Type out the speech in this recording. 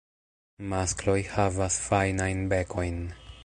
Maskloj havas fajnajn bekojn.